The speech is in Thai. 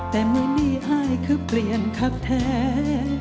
แต่ไม่มีอายคือเปลี่ยนคักแท้